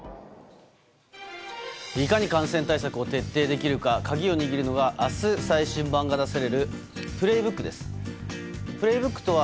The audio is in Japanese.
いかに感染対策を徹底できるか鍵を握るのが明日、最新版が出される「プレイブック」です。